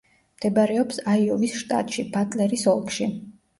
მდებარეობს აიოვის შტატში, ბატლერის ოლქში.